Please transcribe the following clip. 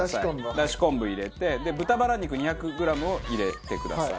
出汁昆布入れて豚バラ肉２００グラムを入れてください。